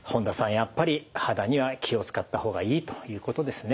やっぱり肌には気を遣った方がいいということですね。